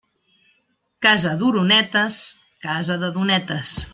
Casa d'oronetes, casa de donetes.